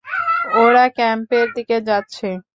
ওরা ক্যাম্পের দিকে যাচ্ছে!